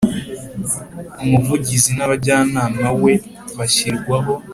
Umuvugizi N Abajyanama We Bashyirwaho